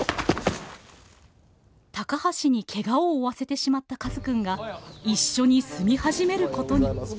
高橋にケガを負わせてしまったカズくんが一緒に住み始めることに。